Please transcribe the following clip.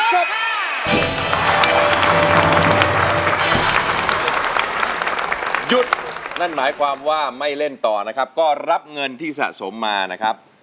หยุดนั่นหมายความว่าไม่เล่นต่อนะครับก็รับเงินที่สะสมมานะครับ